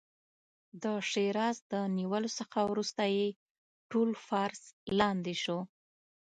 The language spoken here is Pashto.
د شیراز د نیولو څخه وروسته یې ټول فارس لاندې شو.